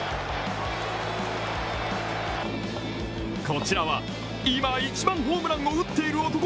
こちらは今一番ホームランを打っている男